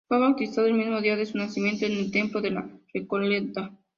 Fue bautizado el mismo día de su nacimiento en el templo de La Recoleta.